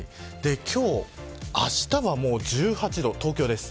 あしたは１８度、東京です。